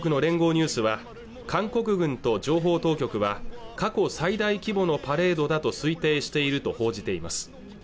ニュースは韓国軍と情報当局は過去最大規模のパレードだと推定していると報じています